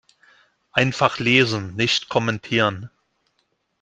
Einfach lesen, nicht kommentieren.